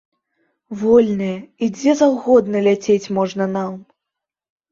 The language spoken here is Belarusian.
Вольныя і дзе заўгодна ляцець можна нам.